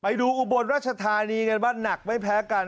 อุบลรัชธานีกันบ้างหนักไม่แพ้กัน